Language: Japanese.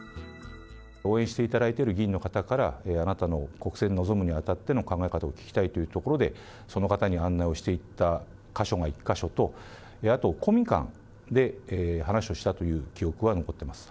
応援していただいている議員の方から、あなたの国政に臨むにあたっての考え方を聞きたいというところで、その方に案内をしていった箇所が１か所と、あと、公民館で話をしたという記憶は残ってます。